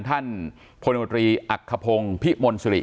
ท่านพลิกรมตรีอักขพงศ์พรรษริ